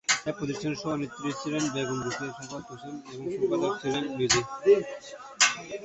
এ প্রতিষ্ঠানের সভানেত্রী ছিলেন বেগম রোকেয়া সাখাওয়াত হোসেন এবং সম্পাদক ছিলেন তিনি নিজেই।